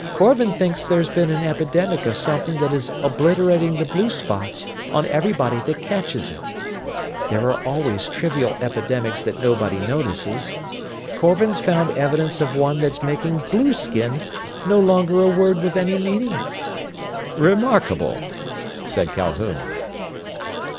Korvan thinks there's been an epidemic of something that is obliterating the blue spots on everybody that catches it. There are always trivial epidemics that nobody notices. Korvan's found evidence of one that's making blueskin no longer a word with any meaning." "Remarkable!" said Calhoun.